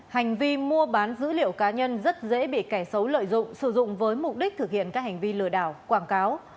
hành vi mua bán dữ liệu cá nhân rất dễ bị kẻ xấu lợi dụng sử dụng với mục đích thực hiện các hành vi lừa đảo quảng cáo